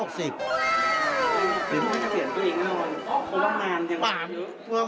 หรือมันจะเปลี่ยนตัวเองกันเลย